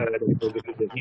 dari program ini